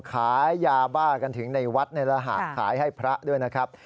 ขายยาบ้ากันถึงในวัดในระหะขายให้พระด้วยนะครับ